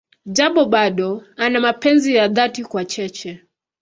Japo bado ana mapenzi ya dhati kwa Cheche.